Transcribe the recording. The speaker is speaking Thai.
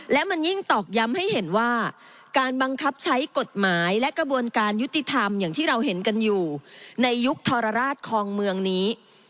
และมันยิ่งตอกย้ำให้เห็นว่าการบังคับใช้กฎหมายและกระบวนการยุติธรรมอย่างที่เราเห็นกันอยู่ในยุคทรราชคลองเมืองนี้